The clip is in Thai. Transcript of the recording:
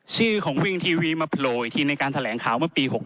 ชื่อของวิ่งทีวีมาโผล่อีกทีในการแถลงข่าวเมื่อปี๖๖